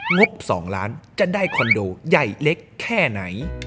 บ๒ล้านจะได้คอนโดใหญ่เล็กแค่ไหน